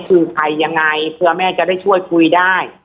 คือใครยังไงเผื่อแม่จะได้ช่วยคุยได้